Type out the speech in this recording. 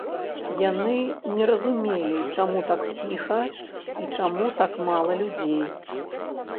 Яны не разумелі, чаму так ціха і чаму так мала людзей.